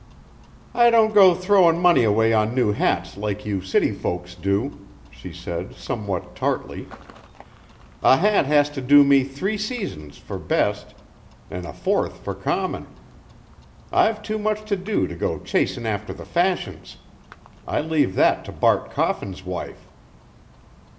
"I don't go throwin' money away on new hats like you city folks do," she said somewhat tartly. "A hat has to do me three seasons for best an' a fourth for common. I've too much to do to go chasin' after the fashions. I leave that to Bart Coffin's wife."